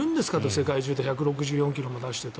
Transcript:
世界中で１６４ｋｍも出してと。